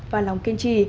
và lòng kiên trì